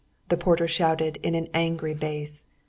the porter shouted in an angry bass.